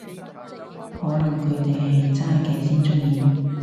可能佢哋係渣嘅先鍾意